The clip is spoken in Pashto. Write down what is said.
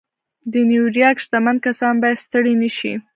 د نيويارک شتمن کسان بايد ستړي نه شي.